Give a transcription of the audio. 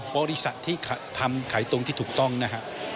บริษัทที่ทำขายตรงที่ถูกต้องนะฮะ